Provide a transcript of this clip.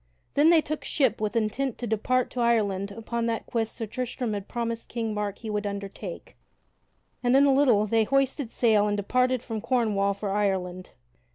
Then they took ship with intent to depart to Ireland upon that quest Sir Tristram had promised King Mark he would undertake, and in a little they hoisted sail and departed from Cornwall for Ireland.